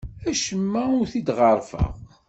Acemma ur t-id-ɣerrfeɣ.